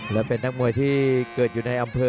และเป็นนักมวยที่เกิดอยู่ในอำเภอ